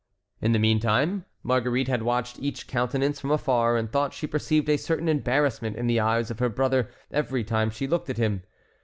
In the meantime Marguerite had watched each countenance from afar and thought she perceived a certain embarrassment in the eyes of her brother every time she looked at him.